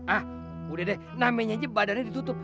ah udah deh namanya aja badannya ditutup